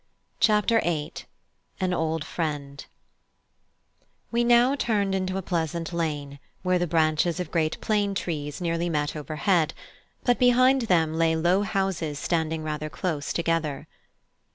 CHAPTER VIII: AN OLD FRIEND We now turned into a pleasant lane where the branches of great plane trees nearly met overhead, but behind them lay low houses standing rather close together.